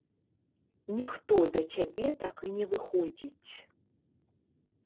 Ніхто да цябе так і не выходзіць.